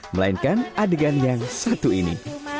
melainkan adegan yang satu ini